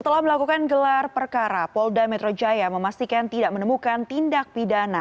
setelah melakukan gelar perkara polda metro jaya memastikan tidak menemukan tindak pidana